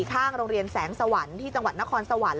ข้างโรงเรียนแสงสวรรค์ที่จังหวัดนครสวรรค์